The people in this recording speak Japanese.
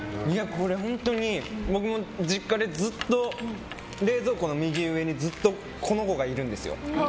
本当に僕も実家で冷蔵庫の右上にずっとこの子がいるんですよ。